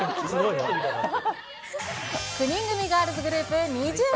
９人組ガールズグループ、ＮｉｚｉＵ。